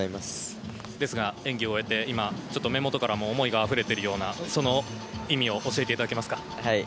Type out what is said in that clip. ですが演技を終えて今、目元からも思いがあふれているようなその意味を教えていただけますか。